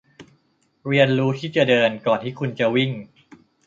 เรียนรู้ที่จะเดินก่อนที่คุณจะวิ่ง